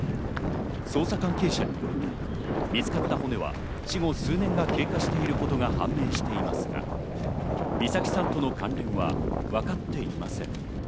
捜査関係者によると、見つかった骨は死後数年が経過していることが判明していますが、美咲さんとの関連はわかっていません。